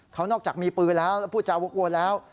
เขานอกจากมีปืนแล้วแล้วพูดจาวกวนแล้ว